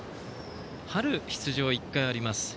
春出場１回あります。